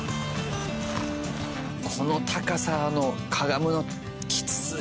この高さのかがむのきつい！